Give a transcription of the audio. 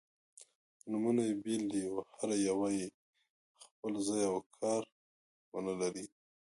نومونه يې بېل دي او هره یوه یې خپل ځای او کار-ونه لري.